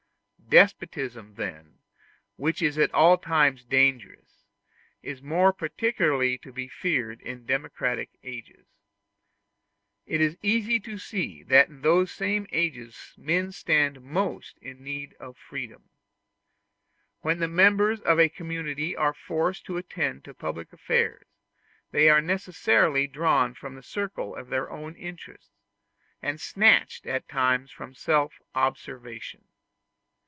Despotism then, which is at all times dangerous, is more particularly to be feared in democratic ages. It is easy to see that in those same ages men stand most in need of freedom. When the members of a community are forced to attend to public affairs, they are necessarily drawn from the circle of their own interests, and snatched at times from self observation.